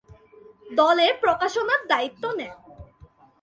দলের প্রকাশনার দায়িত্ব নেন।